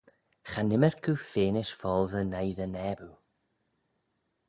Cha n'ymmyrk oo feanish foalsey noi dty naboo.